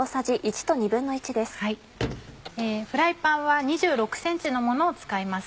フライパンは２６ｃｍのものを使います。